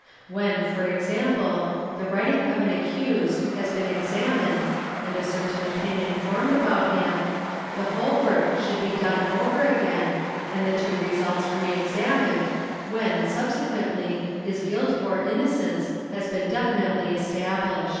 When fo example the writing of an accused has been examined and a certai opinion formed about him, the whole work should be done over again an the two results re examined when, subsequently, his guilt or innocence | has been definitely established.